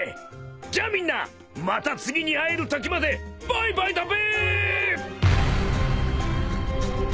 じゃあみんなまた次に会えるときまでバイバイだべ。